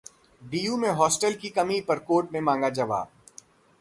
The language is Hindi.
डीयू में हॉस्टल की कमी पर कोर्ट ने मांगा जवाब